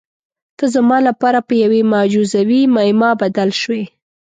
ته زما لپاره په یوې معجزوي معما بدل شوې.